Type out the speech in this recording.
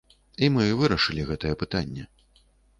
І мы вырашылі гэтае пытанне.